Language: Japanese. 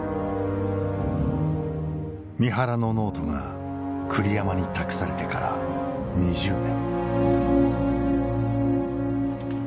三原のノートが栗山に託されてから２０年。